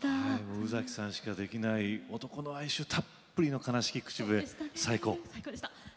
宇崎さんしかできない男の哀愁たっぷりの「悲しき口笛」でした。